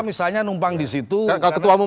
misalnya numpang disitu kalau ketua umum